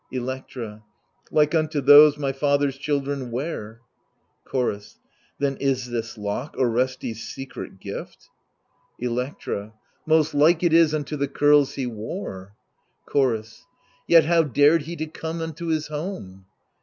Electra Like unto those my father's children wean Chorus Then is this lock Orestes* secret gift ? 90 THE LIBATION BEARERS Electra Most like it is unto the curls he wore; Chorus Yet how dared he to come unto his home